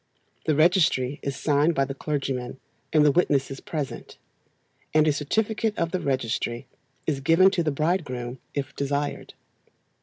The registry is signed by the clergyman and the witnesses present, and a certificate of the registry is given to the bridegroom if desired.